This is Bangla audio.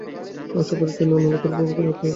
আশা করি, তিনি অন্য লোকের উপকার করতে পারবেন।